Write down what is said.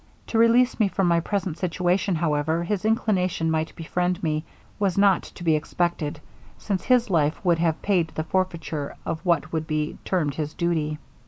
To release me from my present situation, however his inclination might befriend me, was not to be expected, since his life would have paid the forfeiture of what would be termed his duty.